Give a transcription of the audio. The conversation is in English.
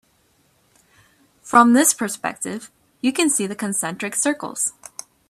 From this perspective you can see the concentric circles.